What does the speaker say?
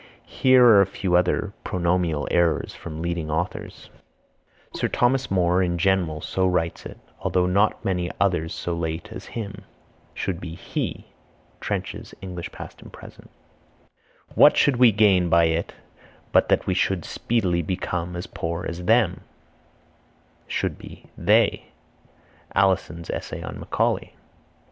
Here are a few other pronominal errors from leading authors: "Sir Thomas Moore in general so writes it, although not many others so late as him." Should be he. Trench's English Past and Present. "What should we gain by it but that we should speedily become as poor as them." Should be they. Alison's Essay on Macaulay.